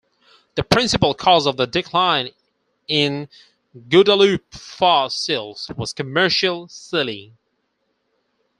The principal cause of the decline in Guadalupe fur seals was commercial sealing.